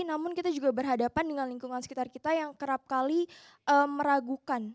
namun kita juga berhadapan dengan lingkungan sekitar kita yang kerap kali meragukan